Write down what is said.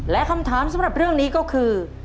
และคำถามสำหรับเรื่องนี้ก็คือ